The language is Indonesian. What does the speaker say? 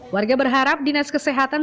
warga berharap dinas kesehatan